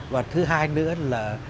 và thứ hai nữa là